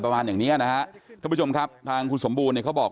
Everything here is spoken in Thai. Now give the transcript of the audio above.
ประมาณอย่างเนี้ยนะฮะท่านผู้ชมครับทางคุณสมบูรณเนี่ยเขาบอก